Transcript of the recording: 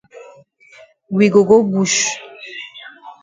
We go go bush.